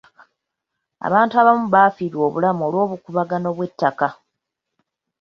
Abantu abamu bafiirwa obulamu olw'obukuubagano bw'ettaka.